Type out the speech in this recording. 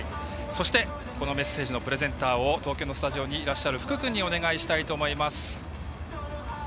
そして、このメッセージのプレゼンターを東京のスタジオにいらっしゃる福くんにお願いしたいと思います。